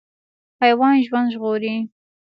حیوان ژوند ژغوري.